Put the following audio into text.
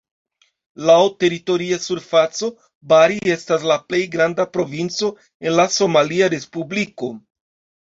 Laŭ teritoria surfaco, Bari estas la plej granda provinco en la somalia respubliko.